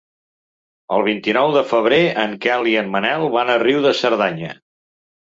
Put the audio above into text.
El vint-i-nou de febrer en Quel i en Manel van a Riu de Cerdanya.